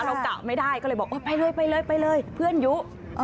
เราเก่าไม่ได้ก็เลยบอกว่าไปเลยไปเลยเพื่อนอยู่